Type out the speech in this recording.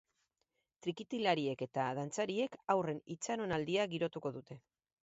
Trikitilariek eta dantzariek haurren itxaronaldia girotuko dute.